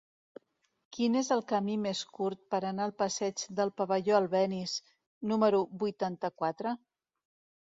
Quin és el camí més curt per anar al passeig del Pavelló Albéniz número vuitanta-quatre?